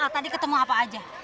tadi ketemu apa aja